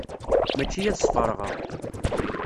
Mačči ad sferɣeɣ.